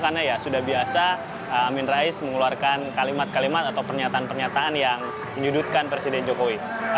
karena ya sudah biasa amin rais mengeluarkan kalimat kalimat atau pernyataan pernyataan yang menyudutkan presiden jokowi